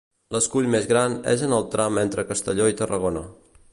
L'escull més gran és en el tram entre Castelló i Tarragona.